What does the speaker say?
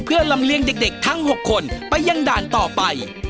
เพื่อลำเลียงเด็กทั้ง๖คนไปยังด่านต่อไป